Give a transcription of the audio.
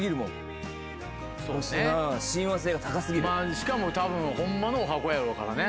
しかもたぶんホンマのおはこやろうからね。